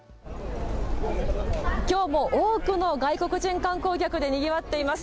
きょうも多くの外国人観光客でにぎわっています。